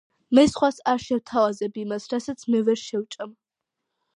მე სხვას არ შევთავაზებ იმას, რასაც მე ვერ შევჭამ.